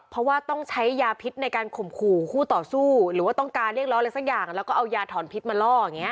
เพราะว่าต้องใช้ยาพิษในการข่มขู่คู่ต่อสู้หรือว่าต้องการเรียกล้ออะไรสักอย่างแล้วก็เอายาถอนพิษมาล่ออย่างนี้